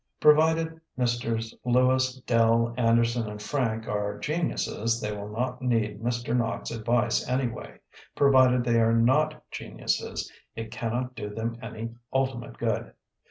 Provided Messrs. Lewis, Dell, Anderson, and Frank are ge niuses, they will not need Mr. Nock's advice ansrway; provided they are not geniuses, it cannot do them any ulti mate good.